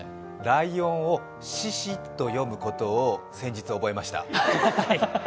ライオンをシシと読むことを先日覚えました。